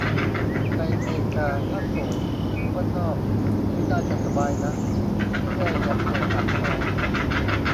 ในเมกา ถ้าโสด อยู่บ้านนอก นี่น่าจะสบายนะ แค่อย่าป่วยหนักพอ